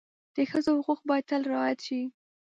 د ښځو حقوق باید تل رعایت شي.